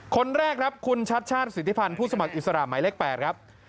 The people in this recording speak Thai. คนแรกครับคุณชัดชาติสิทธิพันธ์ผู้สมัครอิสระหมายเลข๘ครับ